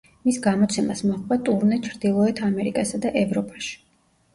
მის გამოცემას მოჰყვა ტურნე ჩრდილოეთ ამერიკასა და ევროპაში.